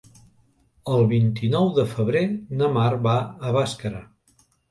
El vint-i-nou de febrer na Mar va a Bàscara.